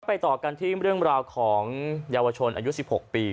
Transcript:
ต่อกันที่เรื่องราวของเยาวชนอายุ๑๖ปี